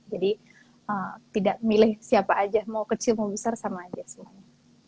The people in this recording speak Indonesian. jadi tidak milih siapa aja mau kecil mau besar sama aja semuanya